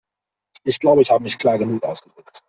Ich glaube, ich habe mich klar genug ausgedrückt.